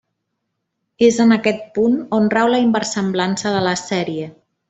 És en aquest punt on rau la inversemblança de la sèrie.